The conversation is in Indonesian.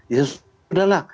ya sudah lah